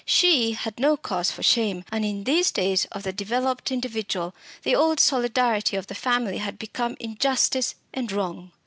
She had no cause for shame; and in these days of the developed individual the old solidarity of the family has become injustice and wrong.